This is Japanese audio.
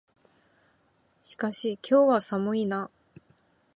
しかし、今日は寒いな。